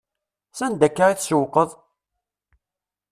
S anda akka i tsewwqeḍ?